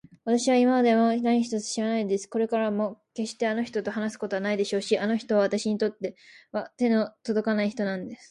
わたしは今でも何一つ知らないのです。これからもけっしてあの人と話すことはないでしょうし、あの人はわたしにとっては手のとどかない人なんです。